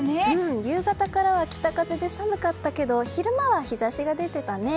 夕方からは北風で寒かったけど昼間は日差しが出ていたね。